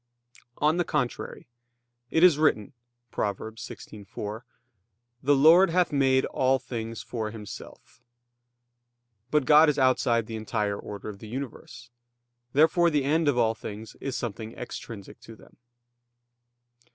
On the contrary, It is written (Prov. 16:4): "The Lord hath made all things for Himself." But God is outside the entire order of the universe. Therefore the end of all things is something extrinsic to them.